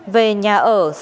về nhà ở